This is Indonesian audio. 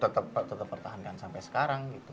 tetep tetep tetep pertahankan sampai sekarang gitu